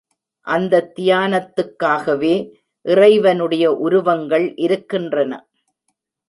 அந்தத் தியானத்துக்காகவே இறைவனுடைய உருவங்கள் இருக்கின்றன.